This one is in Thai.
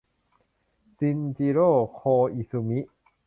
ชินจิโร โคอิสุมิ